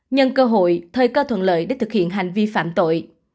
nhân cơ hội thời cơ thuận lợi để thực hiện hành vi phạm tội